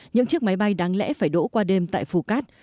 những chiếc máy bay đáng lẽ phải đổ qua đêm tại phù cát